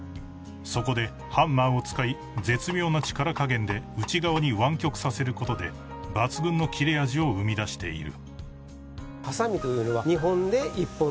［そこでハンマーを使い絶妙な力加減で内側に湾曲させることで抜群の切れ味を生み出している］